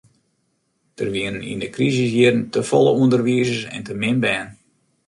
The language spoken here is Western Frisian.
Der wienen yn de krisisjierren te folle ûnderwizers en te min bern.